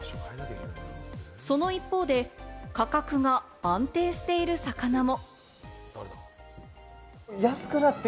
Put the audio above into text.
その一方で、価格が安定している魚も。